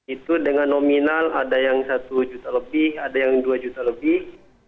itu dengan nominal ada yang satu juta lebih ada yang dua juta lebih